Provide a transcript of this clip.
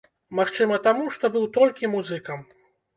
Магчыма таму, што быў толькі музыкам.